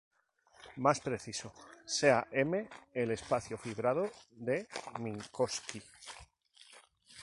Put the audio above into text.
Más preciso, sea M el espacio fibrado de Minkowski.